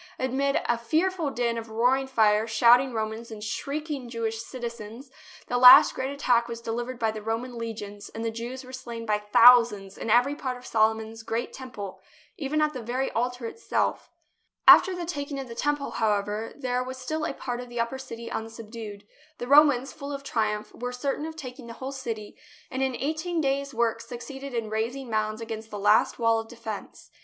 Amid a fearful din of roaring fire, shouting Romans and shrieking Jewish citizens, the last great attack was delivered by the Roman legions and the Jews were slain by thousands in every part of Solomon's great Temple, even at the very altar itself. After the taking of the Temple, however, there was still a part of the upper city unsubdued. The Romans, full of triumph, were certain of taking the whole city, and in eighteen days' work suc ceeded in raising mounds against the last wall of defence.